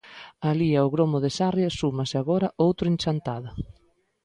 Alí ao gromo de Sarria súmase agora outro en Chantada.